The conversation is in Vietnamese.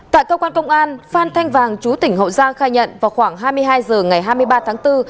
tại cơ quan công an phan thanh vàng chú tỉnh hậu giang khai nhận vào khoảng hai mươi hai h ngày hai mươi ba tháng bốn